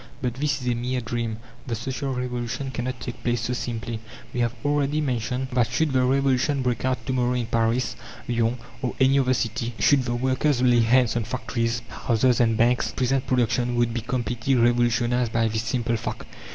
But this is a mere dream: the Social Revolution cannot take place so simply. We have already mentioned that should the Revolution break out to morrow in Paris, Lyons, or any other city should the workers lay hands on factories, houses, and banks, present production would be completely revolutionized by this simple fact.